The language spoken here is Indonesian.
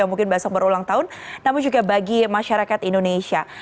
yang mungkin besok berulang tahun namun juga bagi masyarakat indonesia